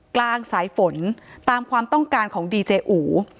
กลางสายฝนตามความต้องการของดีเจอู